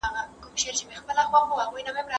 دغه کیسه د امید یوه ډیوه ده.